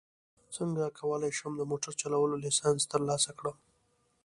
څنګه کولی شم د موټر چلولو لایسنس ترلاسه کړم